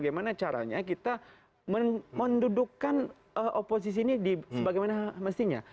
bagaimana caranya kita mendudukan oposisi ini di bagaimana mestinya